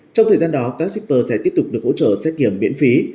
trong thời gian đó các shipper sẽ tiếp tục được hỗ trợ xét kiểm miễn phí